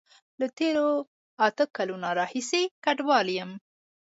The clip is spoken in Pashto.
له تیرو اته کالونو راهیسی کډوال یم